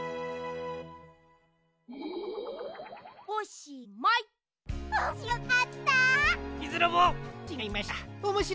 おしまい！